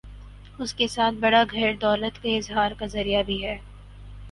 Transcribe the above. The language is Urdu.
اس کے ساتھ بڑا گھر دولت کے اظہار کا ذریعہ بھی ہے۔